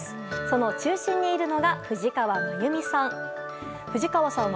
その中心にいるのが藤川まゆみさん。